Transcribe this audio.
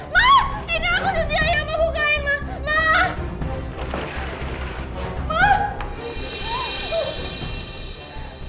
ma ini aku siti yang mau bukain ma